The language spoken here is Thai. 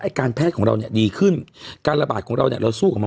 การแพทย์ของเราเนี่ยดีขึ้นการระบาดของเราเนี่ยเราสู้กับมัน